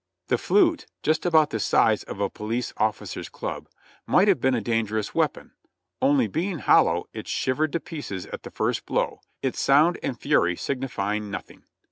The flute, just about the size of a police officer's club, might have been a dangerous weapon, only being hollow it shivered to pieces at the first blow, its sound and fury signifying nothing.